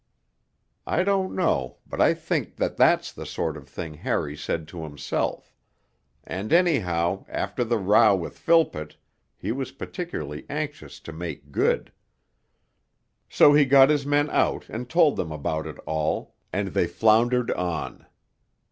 I don't know, but I think that that's the sort of thing Harry said to himself; and anyhow after the row with Philpott he was particularly anxious to make good. So he got his men out and told them about it all, and they floundered on.